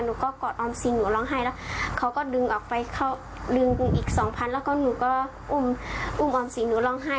หนูก็กอดออมซิงหนูร้องไห้แล้วเขาก็ดึงออกไปเขาดึงอีกสองพันแล้วก็หนูก็อุ้มอุ้มออมสินหนูร้องไห้